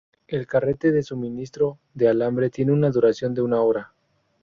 El carrete de suministro de alambre tiene una duración de una hora.